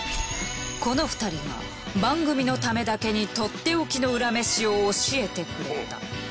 この２人が番組のためだけにとっておきのウラ飯を教えてくれた。